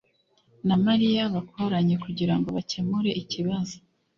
na Mariya bakoranye kugirango bakemure ikibazo